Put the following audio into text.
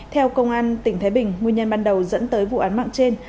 theo công an tỉnh thái bình nguyên nhân ban đầu dẫn tới vụ án mạng trên